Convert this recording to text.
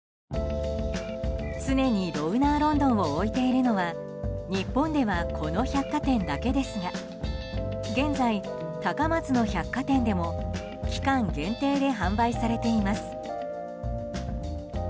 常にロウナーロンドンを置いているのは日本ではこの百貨店だけですが現在、高松の百貨店でも期間限定で販売されています。